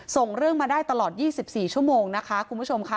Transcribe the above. ส่งเรื่องมาได้ตลอด๒๔ชั่วโมงนะคะคุณผู้ชมค่ะ